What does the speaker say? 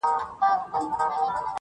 o هر کور کي لږ غم شته,